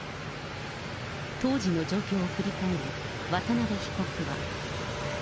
当時の状況を振り返り、渡邉被告は。